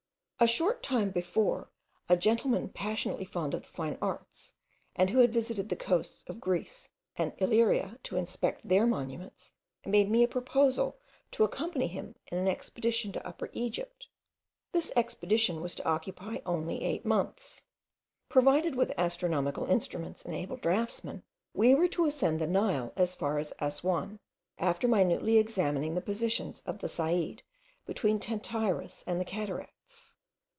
A short time before, a gentleman passionately fond of the fine arts, and who had visited the coasts of Greece and Illyria to inspect their monuments, made me a proposal to accompany him in an expedition to Upper Egypt. This expedition was to occupy only eight months. Provided with astronomical instruments and able draughtsmen, we were to ascend the Nile as far as Assouan, after minutely examining the positions of the Said, between Tentyris and the cataracts.